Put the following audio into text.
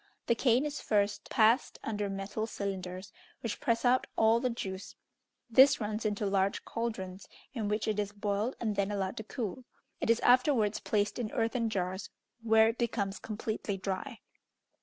The cane is first passed under metal cylinders, which press out all the juice; this runs into large cauldrons, in which it is boiled and then allowed to cool. It is afterwards placed in earthen jars, where it becomes completely dry.